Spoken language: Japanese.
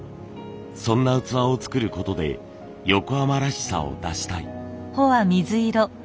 そんな器を作ることで横浜らしさを出したい。